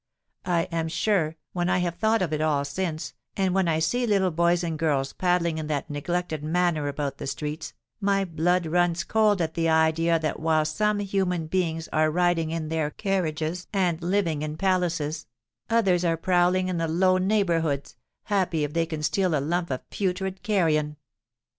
I am sure, when I have thought of it all since, and when I see little boys and girls paddling in that neglected manner about the streets, my blood runs cold at the idea that while some human beings are riding in their carriages and living in palaces, others are prowling in the low neighbourhoods, happy if they can steal a lump of putrid carrion!